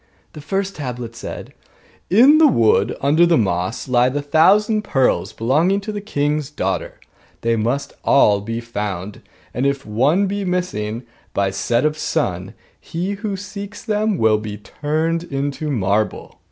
The first tablet said: 'In the wood, under the moss, lie the thousand pearls belonging to the king's daughter; they must all be found: and if one be missing by set of sun, he who seeks them will be turned into marble.